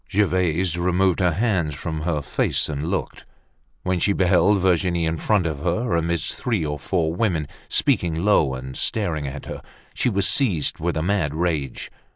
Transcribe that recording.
Gervaise removed her hands from her face and looked. When she beheld Virginie in front of her, amidst three or four women, speaking low and staring at her, she was seized with a mad rage.